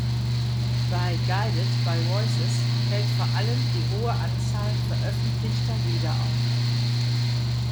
Bei Guided by Voices fällt vor allem die hohe Anzahl veröffentlichter Lieder auf.